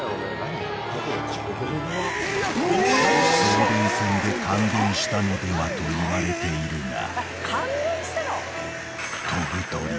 ［送電線で感電したのではといわれているが］